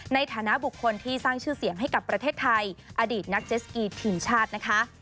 ในฐานะบุคคลที่สร้างชื่อเสียงให้กับประเทศไทยอดีตนักเจสกีทีมชาตินะคะ